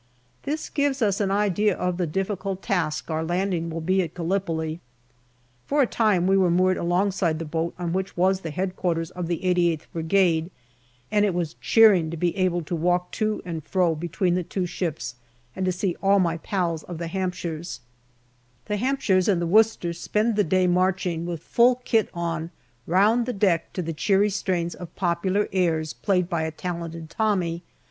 This gives us an idea of the difficult task our landing will be at Gallipoli. For a time we were moored alongside the boat on which was the Headquarters of the 88th Brigade, and it was cheering to be able to walk to and fro between the two ships and to see all my pals of the Hampshires. 28 GALLIPOLI DIARY The Hampshires and the Worcesters spend the day marching, with full kit on, round the deck to the cheery strains of popular airs played by a talented Tommy.